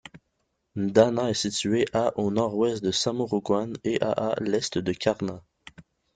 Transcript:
N'Dana est situé à au nord-ouest de Samorogouan et à à l'est de Karna.